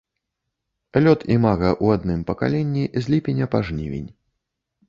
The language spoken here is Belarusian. Лёт імага ў адным пакаленні з ліпеня па жнівень.